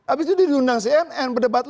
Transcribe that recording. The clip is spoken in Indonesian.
abis itu diundang cnn berdebat